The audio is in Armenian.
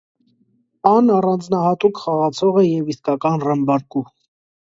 Ան առանձնայատուկ խաղացող է եւ իսկական ռմբարկու։